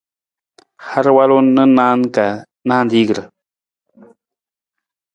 Har walu na naan ka nanrigir.